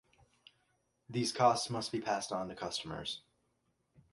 These costs must be passed on to customers.